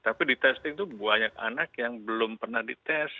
tapi di testing itu banyak anak yang belum pernah dites